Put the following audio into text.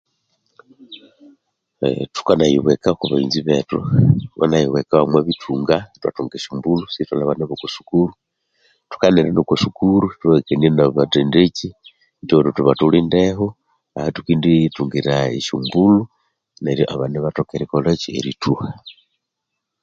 Ee thukanayibweka kubaghenzibethu thukanayibweka omubithunga ithwathunga eshombulho eshirithwalha abanbethu bokosukru thukanahika noko sukuri thukakania nabathendeki ithwabugha thuthi bathulindeho ahathungethungira ashombulho neryo abana Ibathoka erikolhaki erithuha